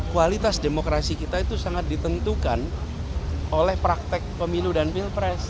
kualitas demokrasi kita itu sangat ditentukan oleh praktek pemilu dan pilpres